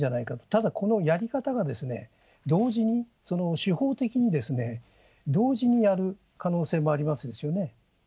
ただこのやり方が、同時に、手法的に同時にやる可能性もありますよね。